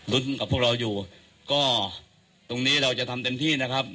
กับพวกเราอยู่ก็ตรงนี้เราจะทำเต็มที่นะครับ